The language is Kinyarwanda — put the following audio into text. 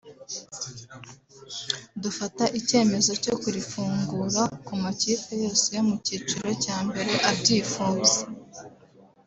dufata icyemezo cyo kurifungura ku makipe yose yo mu cyiciro cya mbere abyifuza”